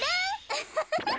ウフフフッ。